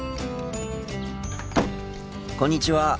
こんにちは。